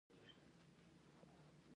د پکتیکا په ګیان کې د څه شي نښې دي؟